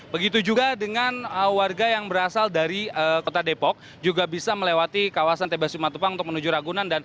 begitu juga dengan warga yang berasal dari kota depok juga bisa melewati kawasan tb sumatupang untuk menuju ragunan